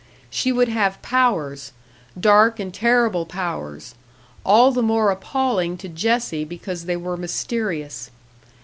She would have powers dark and terrible powers, all the more appalling to Jessie because they were mysterious.